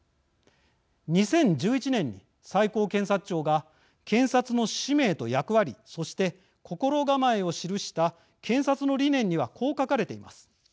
２０１１年に最高検察庁が検察の使命と役割そして心構えを記した検察の理念にはこう書かれています。